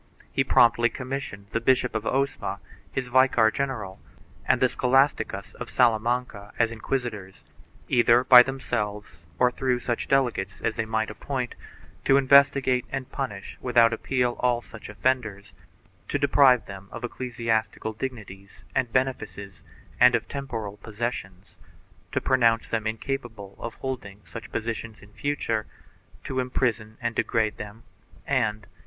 He promptly commissioned the Bishop of Osma, his vicar general, and the Scholasticus of Salamanca as inquisitors, either by themselves or through such delegates as they might appoint, to investigate and punish without appeal all such offenders, to deprive them of ecclesiastical dignities and benefices and of temporal possessions, to pronounce them incapable of holding such positions in future, to imprison and degrade them, and, if 1 Ripoll Bullar. Ord. FF.